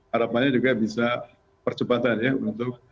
harapannya juga bisa percepatan ya untuk